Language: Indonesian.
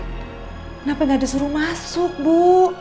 kenapa nggak disuruh masuk bu